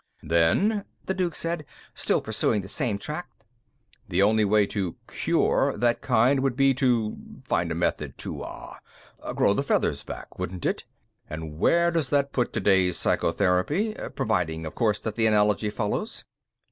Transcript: "Then," the Duke said, still pursuing the same track, "the only way to 'cure' that kind would be to find a method to ... ah ... 'grow the feathers back', wouldn't it? And where does that put today's psychotherapy? Providing, of course, that the analogy follows."